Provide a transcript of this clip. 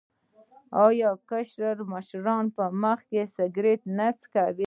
آیا کشران د مشرانو په مخ کې سګرټ نه څکوي؟